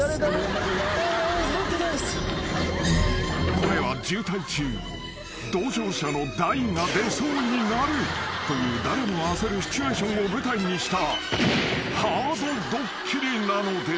［これは渋滞中同乗者の大が出そうになるという誰もが焦るシチュエーションを舞台にした］